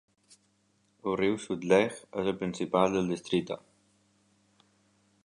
El riu Sutlej és el principal del districte.